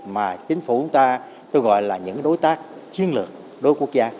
mà chính phủ chúng ta gọi là những đối tác chiến lược đối quốc gia